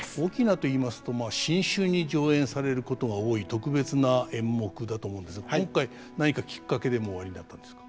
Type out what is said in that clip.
「翁」といいますと新春に上演されることが多い特別な演目だと思うんですが今回何かきっかけでもおありになったんですか？